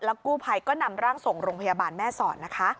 กู้ภัยก็นำร่างส่งโรงพยาบาลแม่สอดนะคะ